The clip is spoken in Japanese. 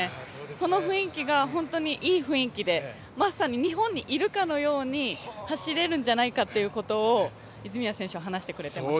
その雰囲気が本当にいい雰囲気でまさに日本にいるかのように走れるんじゃないかということを泉谷選手は話してくれていました。